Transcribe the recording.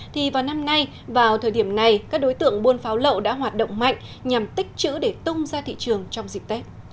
thì vào năm nay vào thời điểm này các đối tượng buôn pháo lậu đã hoạt động mạnh nhằm tích chữ để tung ra thị trường trong dịp tết